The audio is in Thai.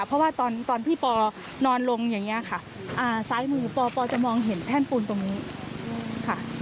เพราะว่าตอนพี่ปอนอนลงอย่างนี้ค่ะซ้ายมือปอปอจะมองเห็นแท่นปูนตรงนี้ค่ะ